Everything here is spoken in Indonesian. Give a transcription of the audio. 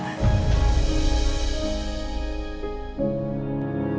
maaf mas aku gak kuat